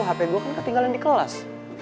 hp gue kan ketinggalan di kelas